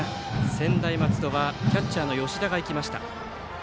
専大松戸キャッチャーの吉田が行きました。